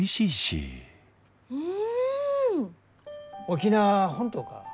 沖縄は本島か？